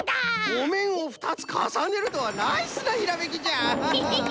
おめんをふたつかさねるとはナイスなひらめきじゃ。